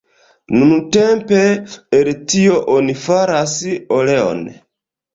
Nuntempe el tio oni faras oleon.